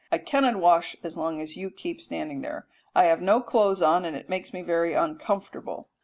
I cannot wash as long as you keep standing there. I have no clothes on, and it makes me very uncomfortable."